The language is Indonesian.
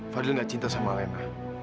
fadil nggak cinta sama lena